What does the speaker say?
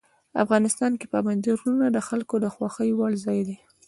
افغانستان کې پابندي غرونه د خلکو د خوښې وړ ځای دی.